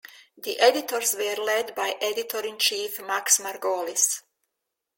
The editors were led by Editor-in-Chief Max Margolis.